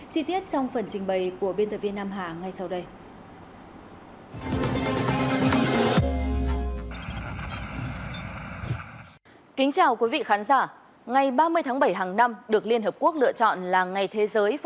chí tiết trong phần trình bày của bnvnh